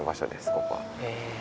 ここは。へ。